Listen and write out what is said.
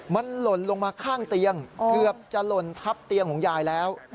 มันหล่นลงมาข้างเตียงเกือบจะหล่นทับเตียงของยายแล้ว